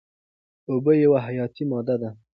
اوبه یوه حیاتي ماده ده.